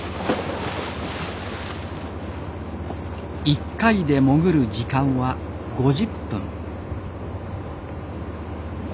一回で潜る時間は５０分。